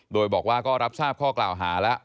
โดยบอกว่าก็รับทราบข้อกล่าวหาแล้ว